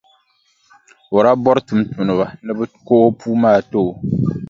O daa bɔri tumtumdiba ni bɛ ko o puu maa n-ti o.